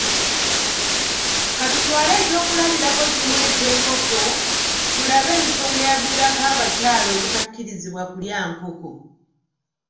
Ka tutwale eky’okulabirako kimu eky’enkoko tulabe ensonga eyaviirako abakyala obutakkirizibwa kulya nkoko.